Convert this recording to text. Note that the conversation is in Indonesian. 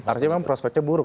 artinya memang prospeknya buruk